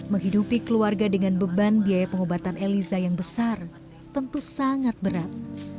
menghidupi keluarga dengan beban biaya pengobatan eliza yang besar tentu sangat berat